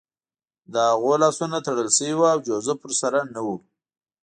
د هغوی لاسونه تړل شوي وو او جوزف ورسره نه و